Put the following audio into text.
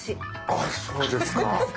あっそうですか。